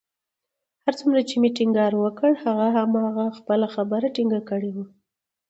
هر څومره چې مې ټينګار وکړ، هغه همهغه خپله خبره ټینګه کړې وه